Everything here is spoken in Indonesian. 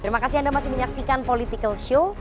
terima kasih anda masih menyaksikan political show